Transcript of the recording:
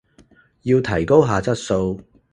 要提高下質素